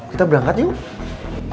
kita berangkat yuk